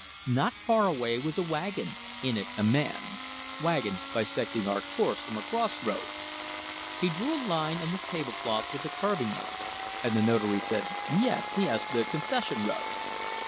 Not far away was a wagon, in it a man. Wagon bisecting our course from a cross road " He drew a line on the table cloth with the carvingknife, and the Notary said: "Yes, yes, the concession road."